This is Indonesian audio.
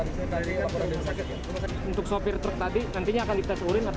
untuk sopir truk tadi nantinya akan dites urin atau seperti itu